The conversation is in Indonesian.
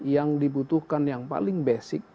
yang dibutuhkan yang paling basic